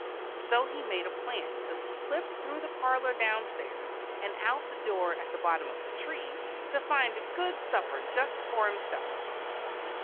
So he made a plan to slip through the parlor down stairs, and out the door at the bottom of the tree to find a good supper just for himself.